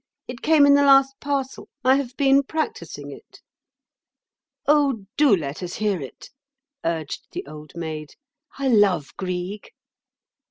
It came in the last parcel. I have been practising it." "Oh! do let us hear it," urged the Old Maid. "I love Grieg."